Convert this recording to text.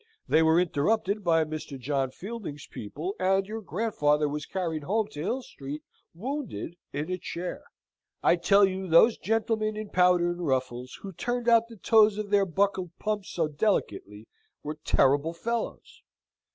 They were interrupted by Mr. John Fielding's people, and your grandfather was carried home to Hill Street wounded in a chair. I tell you those gentlemen in powder and ruffles, who turned out the toes of their buckled pumps so delicately, were terrible fellows.